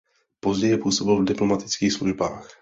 Později působil v diplomatických službách.